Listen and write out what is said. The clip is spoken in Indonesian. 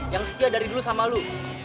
yang setia dari dulu sama lu